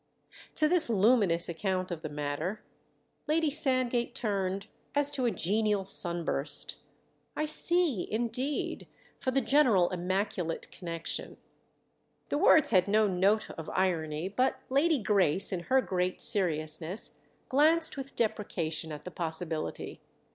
To this luminous account of the matter Lady Sand gate turned as to a genial sun burst. "I see indeed—for the general immaculate connection." The words had no note of irony, but Lady Grace, in her great seriousness, glanced with deprecation at the possibility.